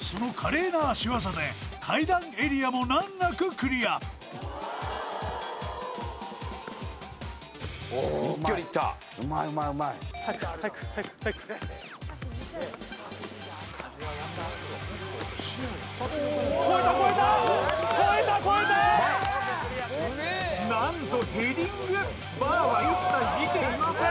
その華麗な足技で階段エリアも難なくクリアはやくはやくはやくはやく越えた越えた越えた越えた何とヘディングバーは一切見ていません